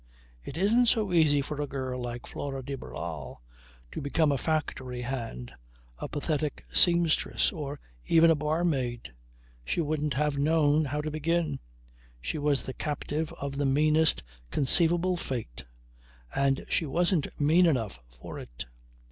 It isn't so easy for a girl like Flora de Barral to become a factory hand, a pathetic seamstress or even a barmaid. She wouldn't have known how to begin. She was the captive of the meanest conceivable fate. And she wasn't mean enough for it.